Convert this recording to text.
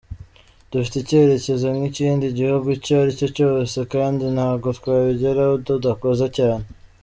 Dufite icyerekezo nk’ikindi gihugu icyo ari cyo cyose kandi ntago twabigeraho tudakoze cyane.